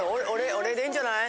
俺でいいんじゃない？